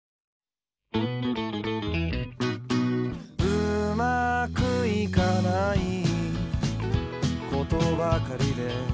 「うまくいかないことばかりで」